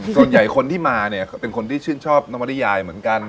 คนที่มาเนี่ยเป็นคนที่ชื่นชอบนวริยายเหมือนกัน